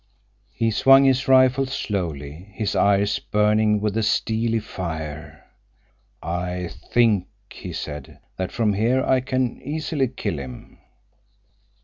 He swung his rifle slowly, his eyes burning with a steely fire. "I think," he said, "that from here I can easily kill him!"